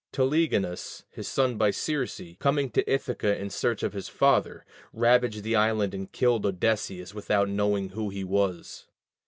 Telegonus, his son by Circe, coming to Ithaca in search of his father, ravaged the island and killed Odysseus without knowing who he was.